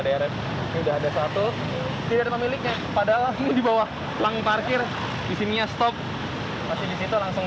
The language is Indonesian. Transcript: drf sudah ada satu tidak memiliki padahal di bawah langit parkir di sini ya stop masih disitu langsung